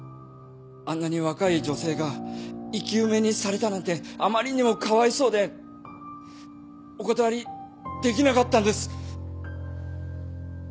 あんなに若い女性が生き埋めにされたなんてあまりにもかわいそうでお断りできなかったんです。